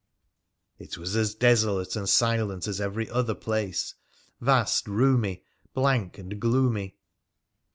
It was as desolate and silent as every other place, vast, roomy, blank, and gloomy.